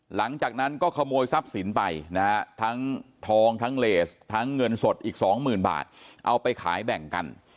หลังจากนั้นก็ขโมยทรัพย์สินไปนะฮะทั้งทองทั้งเลสทั้งเงินสดอีกสองหมื่นบาทเอาไปขายแบ่งกัน